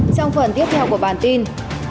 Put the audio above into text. trong phần tiếp theo của bản tin